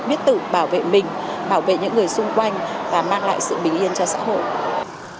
biết tự bảo vệ mình bảo vệ những người xung quanh và mang lại sự bình yên cho xã hội